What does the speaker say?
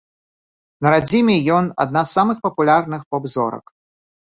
На радзіме ён адна з самых папулярных поп-зорак.